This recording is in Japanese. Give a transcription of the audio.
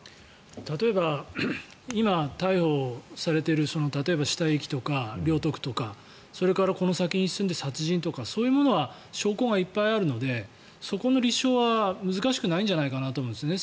例えば今、逮捕されている例えば死体遺棄とか領得とかそれからこの先に進んで殺人とかそういうものは証拠がいっぱいあるのでそこの立証は難しくないんじゃないかなと思うんですね。